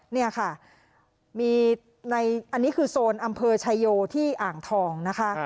นี่ค่ะมีในอันนี้คือโซนอำเภอชายโยที่อ่างทองนะคะ